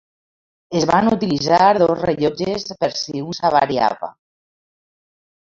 Es van utilitzar dos rellotges per si un s'avariava.